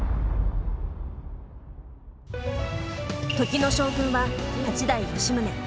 時の将軍は八代・吉宗。